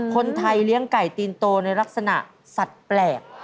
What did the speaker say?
คนไทยเลี้ยงไก่ตีนโตในลักษณะสัตว์แปลก